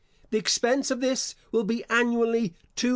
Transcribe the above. The expense of this will be annually L250,000.